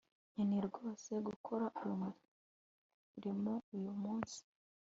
nkeneye rwose gukora uyu murimo uyu munsi